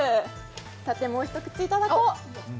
もう一口いただこう。